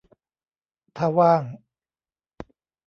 ถ้าว่าง